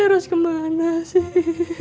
liris kemana sih